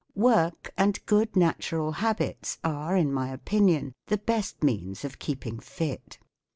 Work and good na¬ tural habits are, in my opinion, the best means of keeping fit.